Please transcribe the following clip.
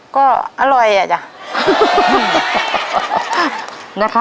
ก็อร่อยอ่ะจ้ะ